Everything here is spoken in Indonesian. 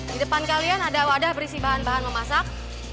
di depan kalian ada wadah berisi bahan bahan memasak